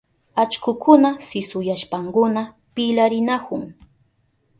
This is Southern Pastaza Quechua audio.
Allkukuna sisuyashpankuna pilarinahun.